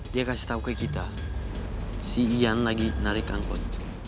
dia kasih tahu ke kita si ian lagi narik angkot